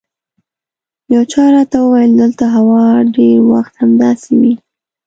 یو چا راته وویل دلته هوا ډېر وخت همداسې وي.